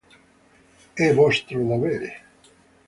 È vostro dovere.